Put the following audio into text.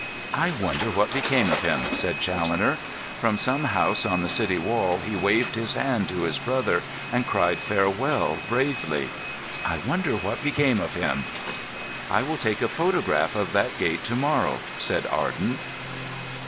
"I wonder what became of him?" said Challoner. "From some house on the city wall he waved his hand to his brother, and cried 'Farewell!' bravely. I wonder what became of him?" "I will take a photograph of that gate to morrow," said Arden.